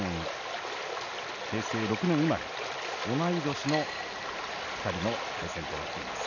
平成６年生まれ、同い年の２人の対戦となっています。